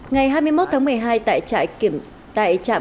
ngày hai mươi một tháng một mươi hai tại trạm kiểm tra